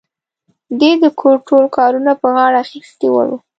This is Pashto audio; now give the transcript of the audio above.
دې د کور ټول کارونه په غاړه اخيستي ول.